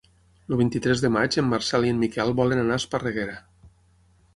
El vint-i-tres de maig en Marcel i en Miquel volen anar a Esparreguera.